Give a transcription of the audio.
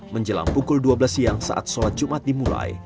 menjelang pukul dua belas siang saat sholat jumat dimulai